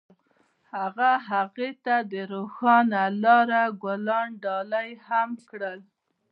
هغه هغې ته د روښانه لاره ګلان ډالۍ هم کړل.